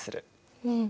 うん。